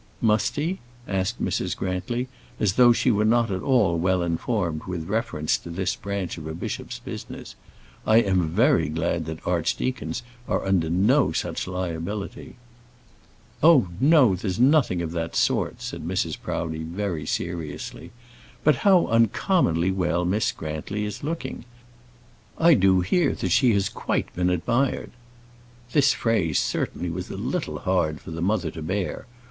"Must he?" asked Mrs. Grantly, as though she were not at all well informed with reference to this branch of a bishop's business. "I am very glad that archdeacons are under no such liability." "Oh, no; there's nothing of that sort," said Mrs. Proudie, very seriously. "But how uncommonly well Miss Grantly is looking! I do hear that she has quite been admired." This phrase certainly was a little hard for the mother to bear.